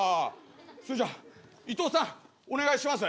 それじゃあ伊藤さんお願いします。